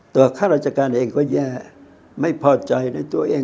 ข้าราชการเองก็แย่ไม่พอใจในตัวเอง